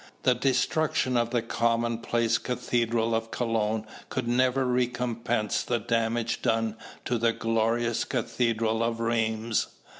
The destruction of the commonplace Cathedral of Cologne could never recompense the damage done to the glorious Cathedral of Rheims.